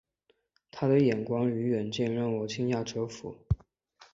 他的眼光与远见让我惊讶折服